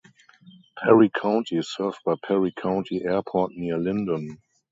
Perry County is served by Perry County Airport near Linden.